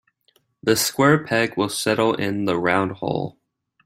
The square peg will settle in the round hole.